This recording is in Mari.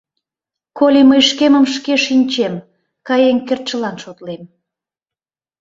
Коли мый шкемым шке шинчем, каен кертшылан шотлем.